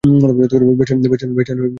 বেষ্টনী ভেঙে গেছে!